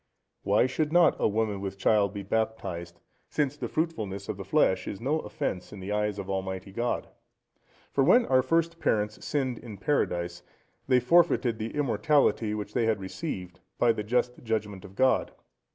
Why should not a woman with child be baptized, since the fruitfulness of the flesh is no offence in the eyes of Almighty God? For when our first parents sinned in Paradise, they forfeited the immortality which they had received, by the just judgement of God.